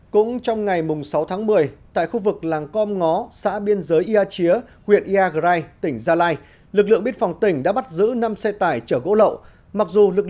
cũng trong ngày sáu tháng một mươi tại khu vực làng com ngó xã biên giới ia chía huyện iagrai tỉnh gia lai lực lượng biên phòng tỉnh đã bắt giữ năm xe tải chở gỗ lậu